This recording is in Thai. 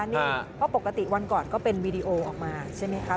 นี่เพราะปกติวันก่อนก็เป็นวีดีโอออกมาใช่ไหมคะ